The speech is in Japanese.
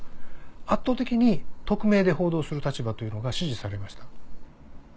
圧倒的に匿名で報道する立場というのが支持されました。